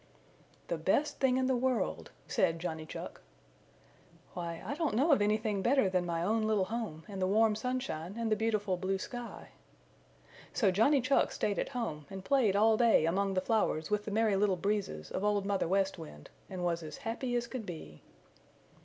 "The Best Thing in the World," said Johnny Chuck. "Why, I don't know of anything better than my own little home and the warm sunshine and the beautiful blue sky." So Johnny Chuck stayed at home and played all day among the flowers with the Merry Little Breezes of Old Mother West Wind and was as happy as could be.